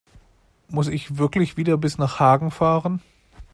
Muss ich wirklich wieder bis nach Hagen fahren?